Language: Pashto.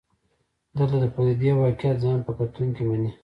دلته د پدیدې واقعیت ځان په کتونکو مني.